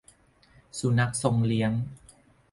สุนัขทรงเลี้ยง